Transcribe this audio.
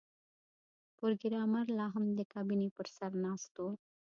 پروګرامر لاهم د کابینې پر سر ناست و